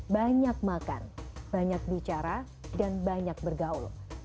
banyak makan banyak bicara dan banyak bergaul